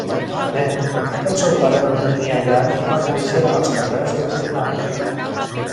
De nen, el seu pare no tenia llar i va créixer als carrers de Vietnam.